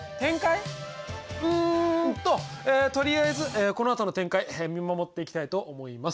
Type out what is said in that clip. うんととりあえずこのあとの展開見守っていきたいと思います。